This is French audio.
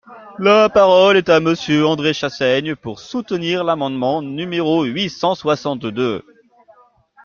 La parole est à Monsieur André Chassaigne, pour soutenir l’amendement numéro huit cent soixante-deux.